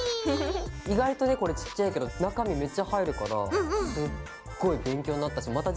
意外とねこれちっちゃいけど中身めっちゃ入るからすっごい勉強になったしまた自分で作りたいなと思って。